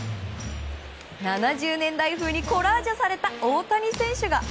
７０年代風にコラージュされた大谷選手が！